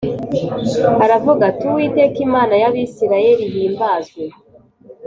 Aravuga ati “Uwiteka Imana y’Abisirayeli ihimbazwe”